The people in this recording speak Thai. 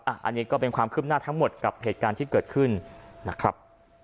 อันนี้ก็เป็นความคืบหน้าทั้งหมดกับเหตุการณ์ที่เกิดขึ้นนะครับ